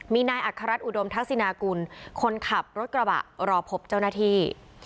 มีนายอัครรัฐอุดมทักษินากุลคนขับรถกระบะรอพบเจ้าหน้าที่